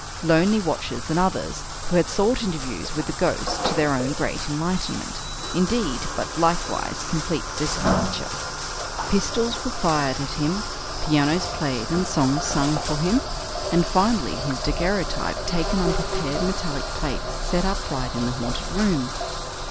"lonely watchers," and others, who had sought interviews with the "ghost," to their own great enlightenment, indeed, but, likewise, complete discomfiture. Pistols were fired at him, pianos played and songs sung for him, and, finally, his daguerreotype taken on prepared metallic plates set upright in the haunted room.